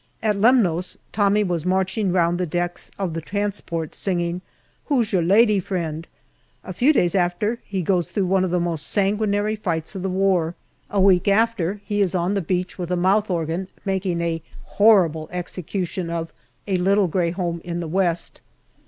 At Lemnos, Tommy was marching round the decks of the transports singing " Who's your Lady Friend ?" A few days after he goes through one of the most sanguinary fights of the war ; a week after he is on the beach with a mouth organ making a horrible execution of "A Little Grey Home in the West."